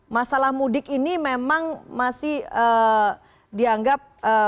masalah mudik ini memang masih dianggap